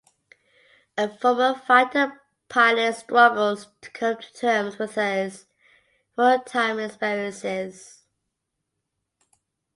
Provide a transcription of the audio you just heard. A former fighter pilot struggles to come to terms with his wartime experiences.